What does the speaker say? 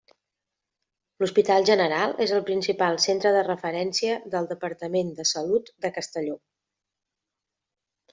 L'Hospital General és el principal centre de referència del Departament de Salut de Castelló.